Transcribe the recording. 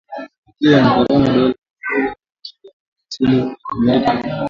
ikiwa na gharama ya dola mia moja na hamsini za kimerekani